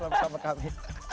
tetap bersama sama kami